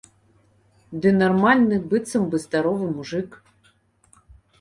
Ды нармальны быццам бы здаровы мужык.